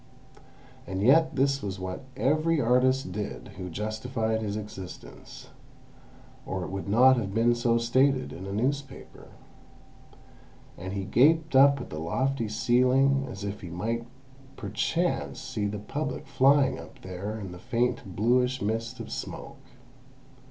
And yet this was what every artist did who justified his existence—or it would not have been so stated in a newspaper. And he gaped up at the lofty ceiling, as if he might perchance see the Public flying up there in the faint bluish mist of smoke.